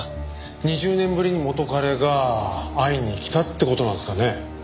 ２０年ぶりに元彼が会いに来たって事なんですかね？